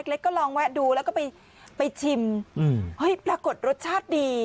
เล็กก็ลองแวะดูแล้วก็ไปไปชิมอืมเฮ้ยปรากฏรสชาติดี